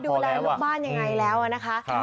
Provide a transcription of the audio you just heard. ดูรายลบบ้านอย่างไรแล้วนะครับ